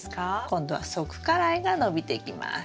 今度は側花蕾が伸びてきます。